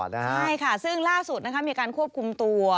ใช่ค่ะซึ่งล่าสุดมีการควบคุมตัว